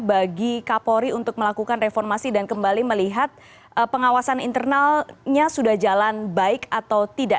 bagi kapolri untuk melakukan reformasi dan kembali melihat pengawasan internalnya sudah jalan baik atau tidak